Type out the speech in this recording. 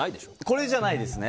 これじゃないですね